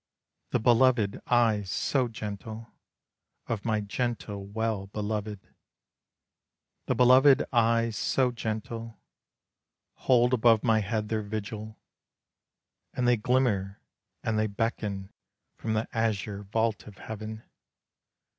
The belovèd eyes so gentle, Of my gentle well belovèd. The belovèd eyes so gentle Hold above my head their vigil; And they glimmer and they beckon From the azure vault of heaven.